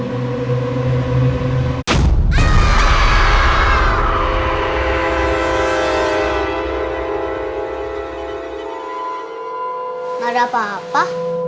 gak ada apa apa